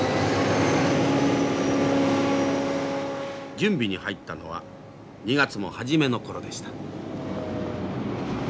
準備に入ったのは２月の初めの頃でした。